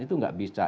itu gak bisa